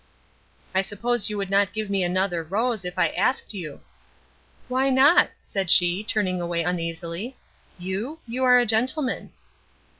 "I suppose you would not give me another rose, if I asked you." "Why not?" said she, turning away uneasily. "You? You are a gentleman."